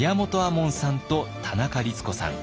門さんと田中律子さん。